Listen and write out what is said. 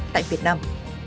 tại việt nam